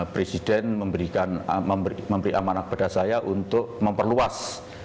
presiden memberi amanah kepada saya untuk memperluas